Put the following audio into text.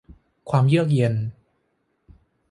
ความเยือกเย็น